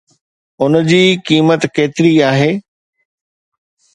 ان جي قيمت ڪيتري آهي؟